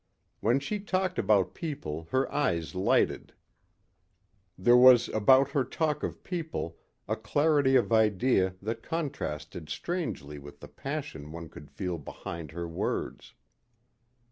When she talked about people her eyes lighted. There was about her talk of people a clarity of idea that contrasted strangely with the passion one could feel behind her words.